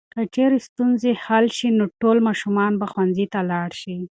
که چېرې ستونزې حل شي نو ټول ماشومان به ښوونځي ته لاړ شي.